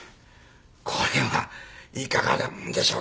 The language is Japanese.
これはいかがなもんでしょうか。